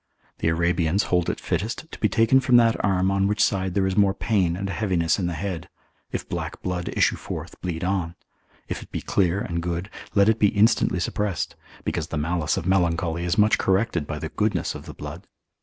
The Arabians hold it fittest to be taken from that arm on which side there is more pain and heaviness in the head: if black blood issue forth, bleed on; if it be clear and good, let it be instantly suppressed, because the malice of melancholy is much corrected by the goodness of the blood.